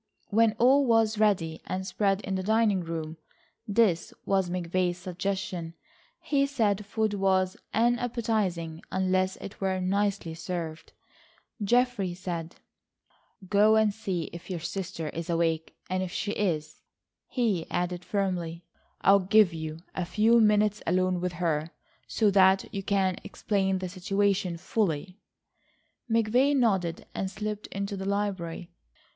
When all was ready and spread in the dining room—this was McVay's suggestion; he said food was unappetising unless it were nicely served—Geoffrey said: "Go and see if your sister is awake, and if she is," he added firmly, "I'll give you a few minutes alone with her, so that you can explain the situation fully." McVay nodded and slipped into the library.